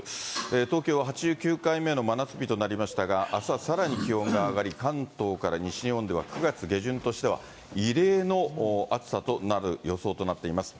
東京は８９回目の真夏日となりましたが、あすはさらに気温が上がり、関東から西日本では９月下旬としては異例の暑さとなる予想となっています。